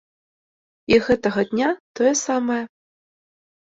І гэтага дня тое самае.